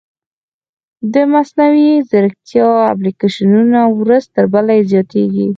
د مصنوعي ځیرکتیا اپلیکیشنونه ورځ تر بلې زیاتېږي.